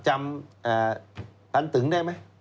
จำพันตึงได้ไหม